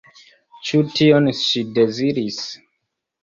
Ĉu tion ŝi deziris?